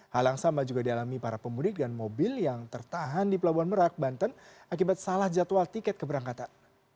hal yang sama juga dialami para pemudik dan mobil yang tertahan di pelabuhan merak banten akibat salah jadwal tiket keberangkatan